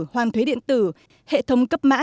hoàn thuế điện tử hệ thống cấp mã